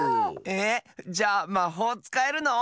えっじゃあまほうつかえるの？